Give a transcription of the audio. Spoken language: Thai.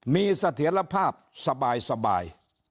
มีเสถียรภาพสบาย